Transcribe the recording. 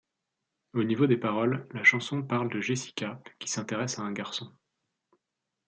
Au niveau des paroles, la chanson parle de Jessica qui s'intéresse à un garçon.